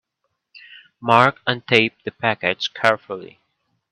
Mark untaped the package carefully.